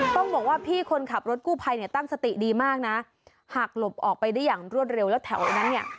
ต้องบอกว่าพี่คนขับรถกู้ภัยเนี่ยตั้งสติดีมากนะหากหลบออกไปได้อย่างรวดเร็วแล้วแถวนั้นเนี่ย